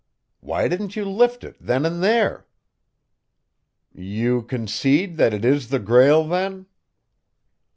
Why didn't you lift it then and there?" "You concede that it is the Grail then?"